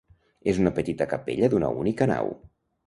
És una petita capella d’una única nau.